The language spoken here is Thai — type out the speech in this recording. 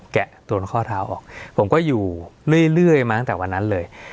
แกะโดนข้อเท้าออกผมก็อยู่เรื่อยมาตั้งแต่วันนั้นเลย